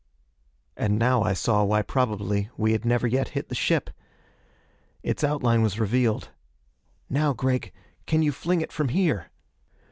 And now I saw why probably we had never yet hit the ship. Its outline was revealed. "Now, Gregg can you fling it from here?"